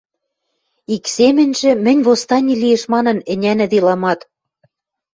Ик семӹньжӹ, мӹнь восстани лиэш манын ӹнянӹделамат